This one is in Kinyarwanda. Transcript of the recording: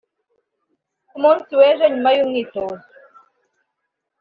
Ku munsi w’ejo nyuma y’imyitozo